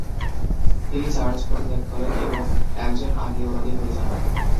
তিনি চার্চ পরিত্যাগ করেন এবং একজন অজ্ঞেয়বাদী হয়ে যান।